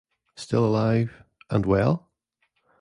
Still Alive... and Well?